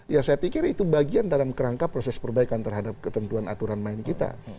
ya saya pikir itu bagian dalam kerangka proses perbaikan terhadap ketentuan aturan main kita